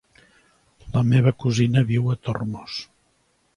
La meva cosina viu a Tormos.